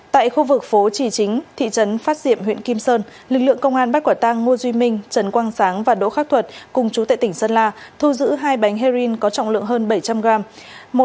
tại khu vực phố chỉ chính thị trấn phát diệm huyện kim sơn lực lượng công an bắt quả tăng ngô duy minh trần quang sáng và đỗ khắc thuật cùng chú tệ tỉnh sơn la thu giữ hai bánh heroin có trọng lượng hơn bảy trăm linh gram